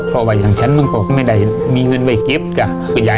เพราะว่าอย่างฉันมันก็ไม่ได้มีเงินไว้เก็บจ้ะ